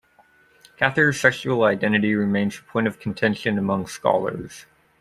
Cather's sexual identity remains a point of contention among scholars.